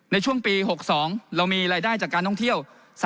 ในช่วงปี๖๒เรามีรายได้จากการท่องเที่ยว